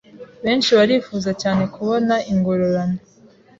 Benshi barifuza cyane kubona ingororano